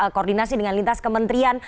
koordinasi dengan lintas kementerian